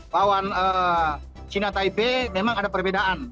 bawaan cina tip memang ada perbedaan